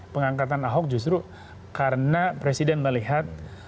pengangkatan ahok justru karena presiden melihat